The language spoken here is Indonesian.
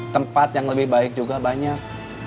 tempat yang lebih baik juga banyak